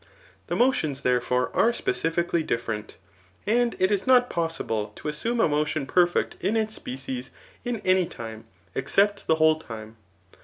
The motions, therefore, are specifically diflferent, and it is not possible to assume a motion perfect in its species in any time, ex cept the whole thne.